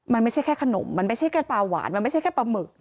มันไม่ใช่แค่ขนมมันไม่ใช่แค่ปลาหวานมันไม่ใช่แค่ปลาหมึก